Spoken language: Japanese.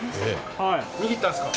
握ったんですか？